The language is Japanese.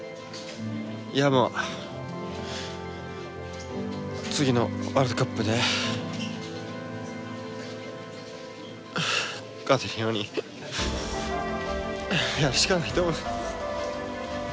いやもう次のワールドカップで勝てるようにやるしかないと思います。